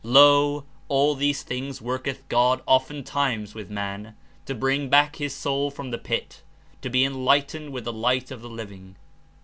''Lo, all these things worketh God often times with man, to bring hack his soul from the pit, to be enlightened with the light of the living."